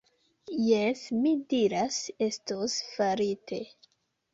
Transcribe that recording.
Jes, mi diras, estos farite.